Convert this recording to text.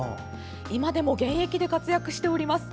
今でも現役で活躍しております。